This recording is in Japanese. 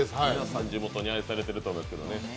地元に愛されていると思います。